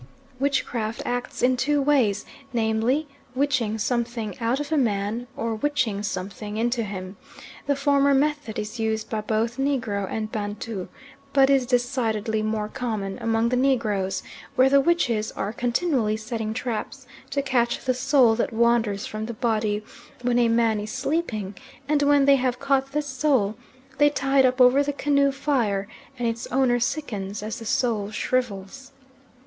Witchcraft acts in two ways, namely, witching something out of a man, or witching something into him. The former method is used by both Negro and Bantu, but is decidedly more common among the Negroes, where the witches are continually setting traps to catch the soul that wanders from the body when a man is sleeping; and when they have caught this soul, they tie it up over the canoe fire and its owner sickens as the soul shrivels.